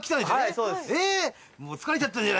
そうですね。